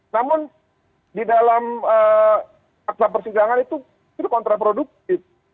namun di dalam akta persidangan itu kontraproduktif